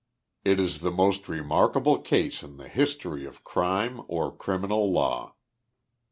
It is the most remarkable case in the history of crime, or criminal law."